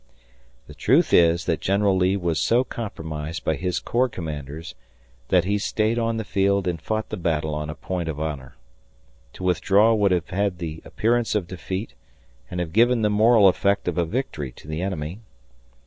The truth is that General Lee was so compromised by his corps commanders that he stayed on the field and fought the battle on a point of honor. To withdraw would have had the appearance of defeat and have given the moral effect of a victory to the enemy.